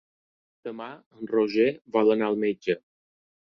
Demà en Roger vol anar al metge.